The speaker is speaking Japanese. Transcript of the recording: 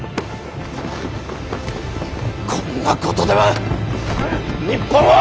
こんなことでは日本は。